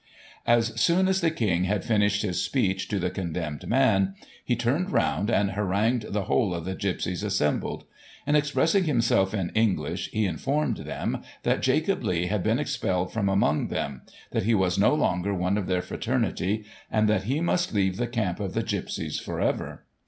As soon as the King had finished his speech to the condemned man, he turned round, and harangued the whole of the gipsies assembled ; and, expressing himself in English, he informed them that Jacob Lee had been expelled from among them, that he was no longer one of their fraternity, and that he must leave the camp of the gipsies for ever.